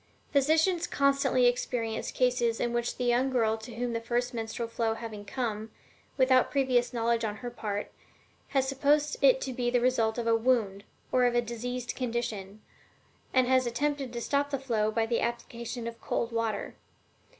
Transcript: Physicians constantly experience cases in which the young girl to whom the first menstrual flow having come, without previous knowledge on her part, has supposed it to be the result of a wound, or of a diseased condition, and has attempted to stop the flow by the application of cold water.